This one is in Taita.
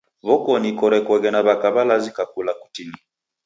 W'okoni korekoghe na w'aka w'alazi kakula kutini.